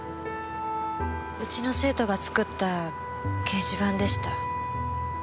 うちの生徒が作った掲示板でした。